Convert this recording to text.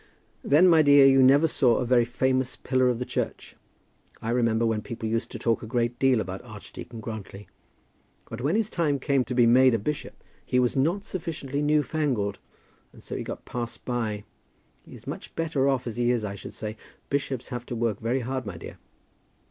"Then, my dear, you never saw a very famous pillar of the church. I remember when people used to talk a great deal about Archdeacon Grantly; but when his time came to be made a bishop, he was not sufficiently new fangled; and so he got passed by. He is much better off as he is, I should say. Bishops have to work very hard, my dear."